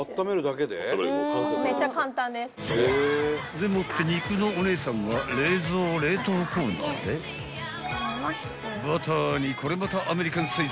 ［でもって肉のお姉さんは冷蔵・冷凍コーナーでバターにこれまたアメリカンサイズ